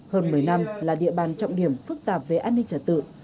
hơn một mươi năm là địa bàn trọng điểm phức tạp về an ninh trả tự